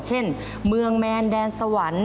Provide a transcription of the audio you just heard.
เช่นเมืองแมนแดนสวรรค์